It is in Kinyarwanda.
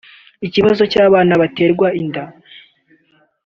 Ikibazo cy’abana baterwa inda